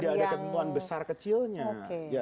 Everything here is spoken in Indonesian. tidak ada ketentuan besar kecilnya